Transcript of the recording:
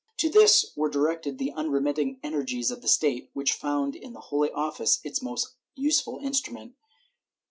To this were directed the unremitting energies of the state, which found in the Holy Office its most useful instrimient.